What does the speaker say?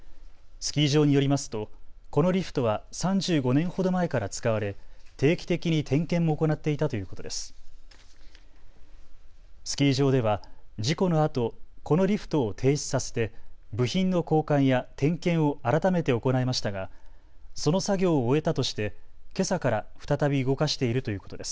スキー場によりますとこのリフトは３５年ほど前から使われ定期的に点検も行っていたということです。